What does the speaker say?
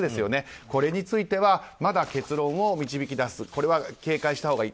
これについてはまだ結論を導き出すこれは警戒したほうがいい。